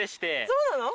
そうなの？